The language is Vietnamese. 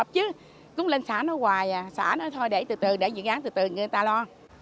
chứ cũng lên xã nói hoài à xã nói thôi để từ từ để dự án từ từ người ta lo